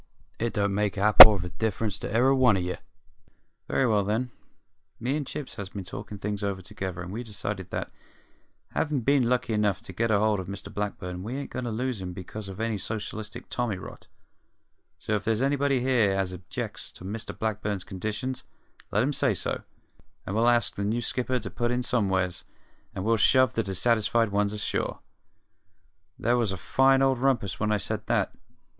It don't make a hap'orth of difference to e'er a one of ye! Very well, then; me and Chips has been talkin' things over together and we've decided that, havin' been lucky enough to get hold of Mr Blackburn, we ain't goin' to lose 'im because of any socialistic tommy rot; so if there's anybody here as objects to Mr Blackburn's conditions, let 'im say so, and we'll ask the new skipper to put in somewheres, and we'll shove the dissatisfied ones ashore.' "There was a fine old rumpus when I said that.